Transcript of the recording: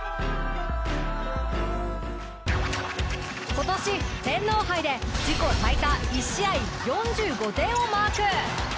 今年天皇杯で自己最多１試合４５点をマーク！